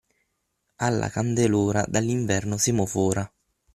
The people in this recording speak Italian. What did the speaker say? Alla candelora dall'inverno semo fora.